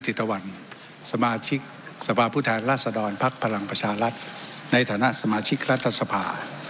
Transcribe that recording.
ตะวันสมาชิกสภาพผู้แทนราชดรภักดิ์พลังประชารัฐในฐานะสมาชิกรัฐสภา